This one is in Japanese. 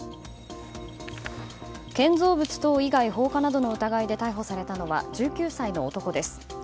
建造物等以外放火などの疑いで逮捕されたのは１９歳の男です。